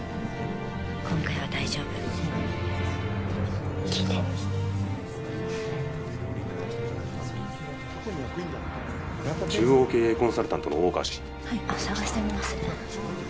今回は大丈夫聞いて中央経営コンサルタントの大川氏探してみます・